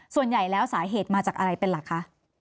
ส่วนใหญ่แล้วสาเหตุมาจากอะไรเป็นหลักคะ